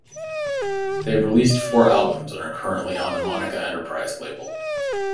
They have released four albums and are currently on the Monika Enterprise label.